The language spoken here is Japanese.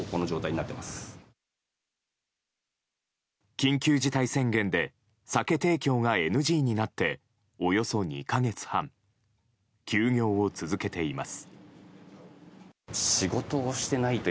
緊急事態宣言で酒提供がＮＧになっておよそ２か月半休業を続けています。